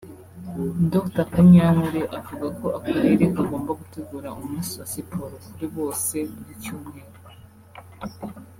Dr Kanyankore avuga ko akarere kagomba gutegura umunsi wa siporo kuri bose buri cyumweru